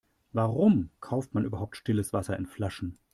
Warum kauft man überhaupt stilles Wasser in Flaschen?